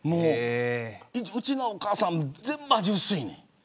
うちのお母さん全部味が薄いねん。